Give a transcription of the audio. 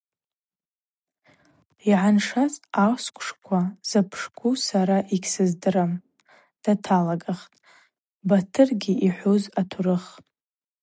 Йангӏаншаз асквшква запшкву сара йыгьсыздырам – даталагахтӏ Батыргьари йхӏвуз атурых.